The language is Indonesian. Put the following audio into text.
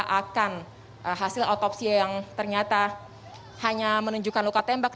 akan hasil otopsi yang ternyata hanya menunjukkan luka tembak